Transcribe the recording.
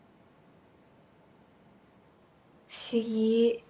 不思議。